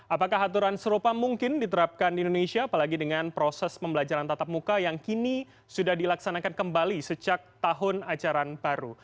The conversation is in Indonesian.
apakah aturan serupa mungkin diterapkan di indonesia apalagi dengan proses pembelajaran tatap muka yang kini sudah dilaksanakan kembali sejak tahun ajaran baru